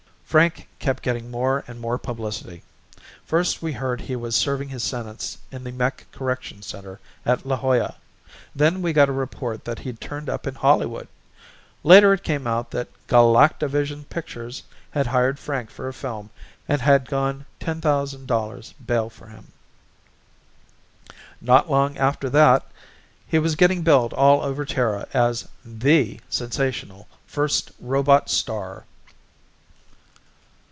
Frank kept getting more and more publicity. First we heard he was serving his sentence in the mech correction center at La Jolla, then we got a report that he'd turned up in Hollywood. Later it came out that Galact A vision Pictures had hired Frank for a film and had gone $10,000 bail for him. Not long after that he was getting billed all over Terra as the sensational first robot star.